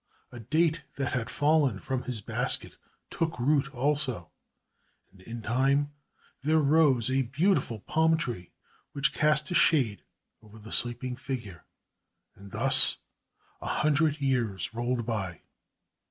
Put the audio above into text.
A date that had fallen from his basket, took root also, and in time there rose a beautiful palm tree which cast a shade over the sleeping figure. And thus a hundred years rolled by.